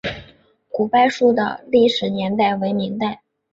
古柏树的历史年代为明代。